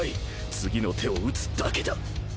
次の手を打つだけだ！